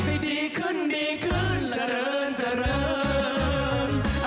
ให้ดีขึ้นดีขึ้นเจริญเจริญ